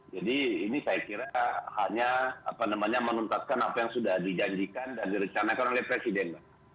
jadi ini saya kira hanya menuntaskan apa yang sudah dijanjikan dan direkanakan oleh presiden